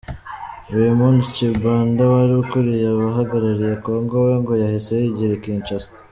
Raymond Tchibanda wari ukuriye abahagarariye Congo we ngo yahise yigira i Kinshasa.